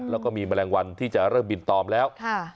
แล้วก็มีแมลงวันที่จะเริ่มบินตอมแล้ว